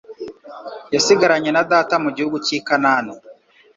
yasigaranye na data mu gihugu cy i Kanani